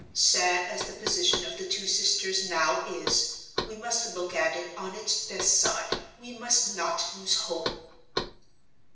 Sad as the position of the two sisters now is, we must look at it on its best side; we must not lose hope."